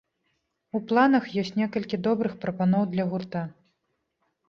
У планах ёсць некалькі добрых прапаноў для гурта.